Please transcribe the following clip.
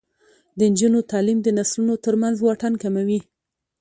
د نجونو تعلیم د نسلونو ترمنځ واټن کموي.